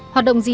hoạt động gì